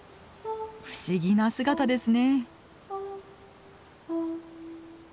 不思議な姿ですね。